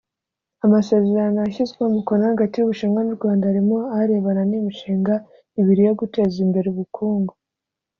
Amasezerano yashyizweho umukono hagati y’ubushinwa n’u Rwanda harimo arebana n’imishinga ibiri yo guteza imbere ubukungu